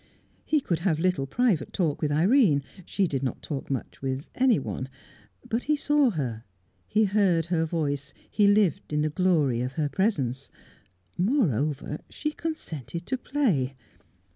He could have little private talk with Irene; she did not talk much with anyone; but he saw her, he heard her voice, he lived in the glory of her presence. Moreover, she consented to play.